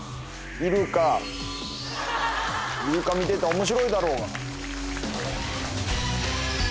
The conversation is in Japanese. イルカ見てたら面白いだろうが。